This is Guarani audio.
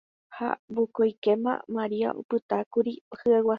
ha vokóikema Maria opytákuri hyeguasu